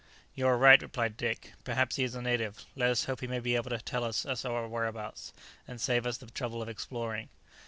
"You are right," replied Dick; "perhaps he is a native; let us hope he may be able to tell us our whereabouts, and save us the trouble of exploring."